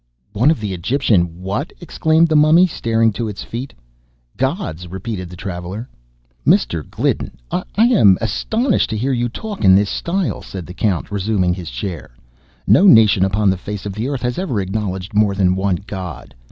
"One of the Egyptian what?" exclaimed the Mummy, starting to its feet. "Gods!" repeated the traveller. "Mr. Gliddon, I really am astonished to hear you talk in this style," said the Count, resuming his chair. "No nation upon the face of the earth has ever acknowledged more than one god.